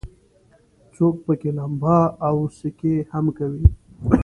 څوک پکې لمبا او سکي هم کوي.